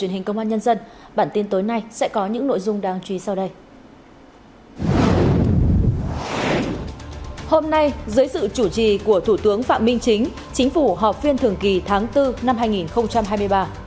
hôm nay dưới sự chủ trì của thủ tướng phạm minh chính chính phủ họp phiên thường kỳ tháng bốn năm hai nghìn hai mươi ba